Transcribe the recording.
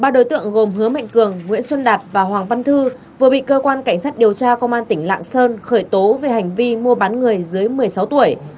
ba đối tượng gồm hứa mạnh cường nguyễn xuân đạt và hoàng văn thư vừa bị cơ quan cảnh sát điều tra công an tỉnh lạng sơn khởi tố về hành vi mua bán người dưới một mươi sáu tuổi